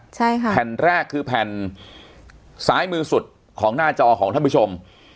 ใช่ค่ะแผ่นแรกคือแผ่นซ้ายมือสุดของหน้าจอของท่านผู้ชม